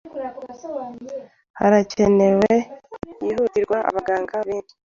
Harakenewe byihutirwa abaganga benshi.